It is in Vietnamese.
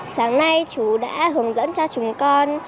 sáng nay chú đã hướng dẫn cho chúng con